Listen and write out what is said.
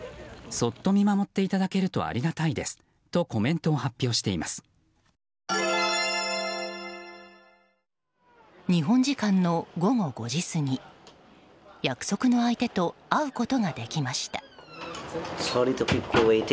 そっと見守っていただけるとありがたいですと日本時間の午後５時過ぎ約束の相手と会うことができました。